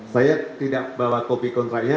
saya tidak bawa kopi kontraknya